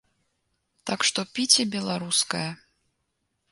Так што піце беларускае.